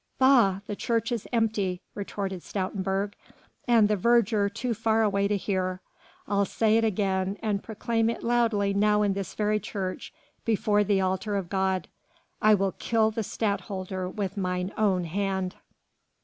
"Bah! the church is empty," retorted Stoutenburg, "and the verger too far away to hear. I'll say it again, and proclaim it loudly now in this very church before the altar of God: I will kill the Stadtholder with mine own hand!"